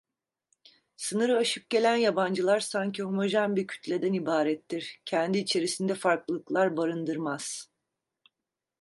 Sınırı aşıp gelen yabancılar sanki homojen bir kütleden ibarettir, kendi içerisinde farklılıklar barındırmaz.